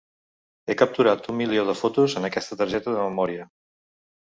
He capturat un milió de fotos en aquesta targeta de memòria.